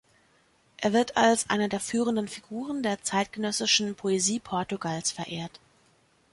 Er wird als eine der führenden Figuren der zeitgenössischen Poesie Portugals verehrt.